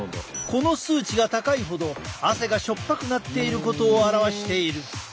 この数値が高いほど汗が塩っぱくなっていることを表している。